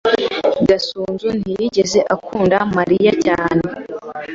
Gasunzu ntiyigeze akunda Mariya cyane.